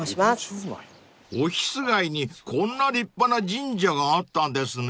［オフィス街にこんな立派な神社があったんですね］